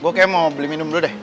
gue kayak mau beli minum dulu deh